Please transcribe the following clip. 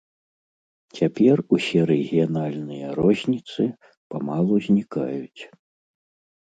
Цяпер усе рэгіянальныя розніцы памалу знікаюць.